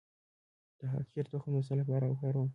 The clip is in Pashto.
د خاکشیر تخم د څه لپاره وکاروم؟